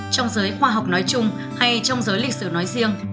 trong giới khoa học nói chung hay trong giới lịch sử nói riêng